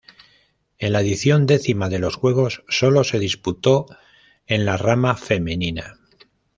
En la edición X de los Juegos, solo se disputó en la rama femenina.